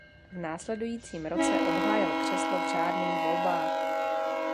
V následujícím roce obhájil křeslo v řádných volbách.